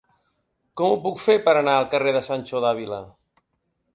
Com ho puc fer per anar al carrer de Sancho de Ávila?